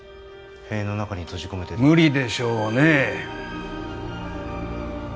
塀の中に閉じ込めてでも無理でしょうね